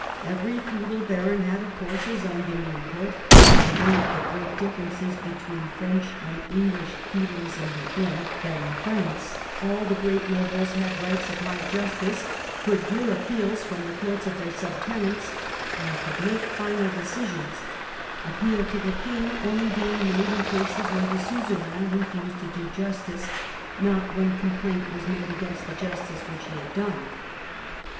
Every feudal baron had of course his own demesne court, and one of the great differences between French and English feudalism had been, that in France all the great nobles had rights of " high justice," could hear appeals from the courts of their sub tenants, and could make final decisions, appeal to the King only being made in cases where the Suzerain refused to do justice, not when complaint was made against the justice which he had done.